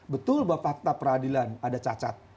betul bahwa fakta peradilan ada cacat